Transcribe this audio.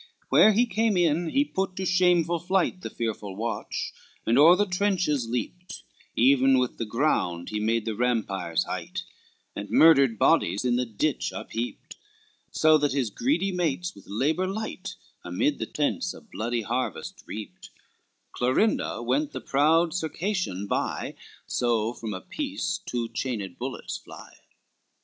LIV Where he came in he put to shameful flight The fearful watch, and o'er the trenches leaped, Even with the ground he made the rampire's height, And murdered bodies in the ditch unheaped, So that his greedy mates with labor light, Amid the tents, a bloody harvest reaped: Clorinda went the proud Circassian by, So from a piece two chained bullets fly.